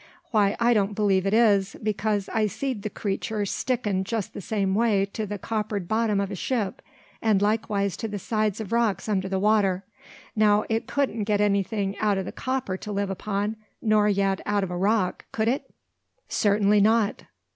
Why I don't believe it is, because I've seed the creature stickin' just the same way to the coppered bottom o' a ship, and likewise to the sides o' rocks under the water. Now, it couldn't get anything out o' the copper to live upon, nor yet out o' a rock, could it?" "Certainly not."